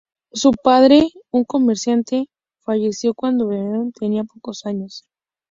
Su padre, un comerciante, falleció cuando Bernhardt tenía pocos años.